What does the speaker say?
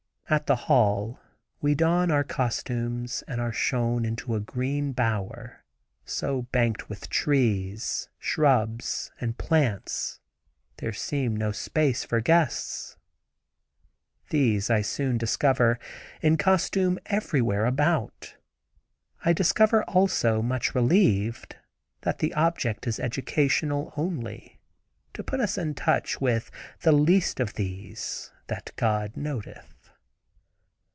At the hall we don our costumes and are shown into a green bower, so banked with trees, shrubs, and plants there seems no space for guests. These, I soon discover, encostume everywhere about; I discover, also, much relieved, that the object is educational, only—to put us in touch with "the least of these" that God noteth.